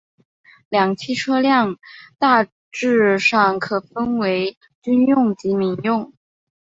两栖车辆大致上可分为军用及民用。